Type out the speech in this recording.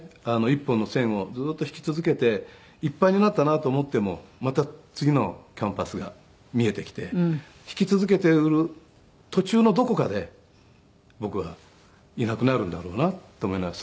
一本の線をずっと引き続けていっぱいになったなと思ってもまた次のキャンバスが見えてきて引き続けている途中のどこかで僕はいなくなるんだろうなと思いながら。